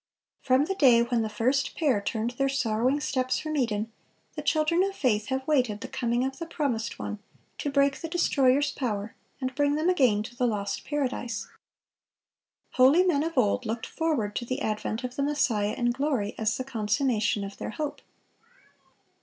From the day when the first pair turned their sorrowing steps from Eden, the children of faith have waited the coming of the Promised One to break the destroyer's power and bring them again to the lost Paradise. Holy men of old looked forward to the advent of the Messiah in glory, as the consummation of their hope.